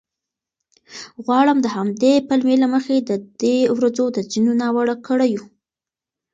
غواړم د همدې پلمې له مخې د دې ورځو د ځینو ناوړه کړیو